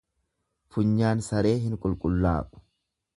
Funyaan saree hin qulqullaa'u.